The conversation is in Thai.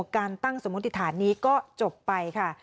การตั้งสมมติฐานนี้ก็จบไปค่ะ